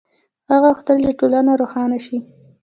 هغه غوښتل چې ټولنه روښانه شي.